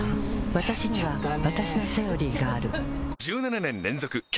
わたしにはわたしの「セオリー」がある１７年連続軽